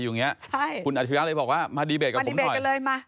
ใช่คุณอธิริยะเลยบอกว่ามาดีเบตกับขุมถ่อยมาดีเบตกันเลยมา